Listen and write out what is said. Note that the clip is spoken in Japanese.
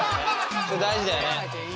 それ大事だよね。